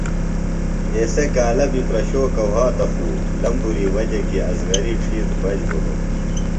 اسے کالہ بیۡ پرشوکہ وھاتہ خو لمبُری وجہ کیۡ اصغری ڇھیتر بچ بھِلوۡ .